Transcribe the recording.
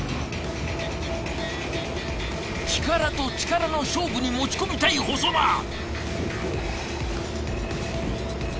力と力の勝負に持ち込みたい細間。